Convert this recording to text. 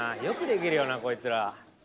よくできるよなこいつら。